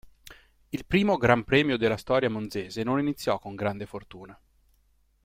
Il primo Gran Premio della storia monzese non iniziò con grande fortuna.